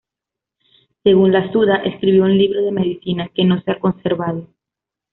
Según la "Suda", escribió un libro de medicina, que no se ha conservado.